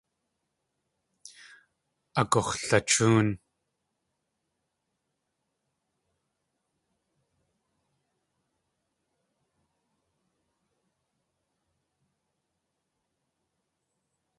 Agux̲lachóon.